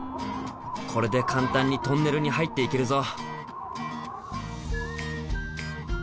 これで簡単にトンネルに入っていけるぞ。